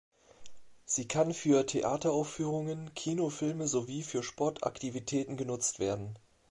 Sie kann für Theateraufführungen, Kinofilme sowie für Sportaktivitäten genutzt werden.